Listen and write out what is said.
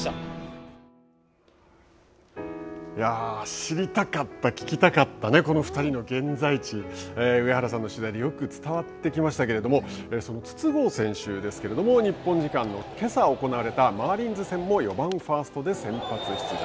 知りたかった、聞きたかったこの２人の現在地上原さんの取材でよく伝わってきましたけれども筒香選手ですけれども、日本時間のけさ行われたマーリンズ戦も４番ファーストで先発出場。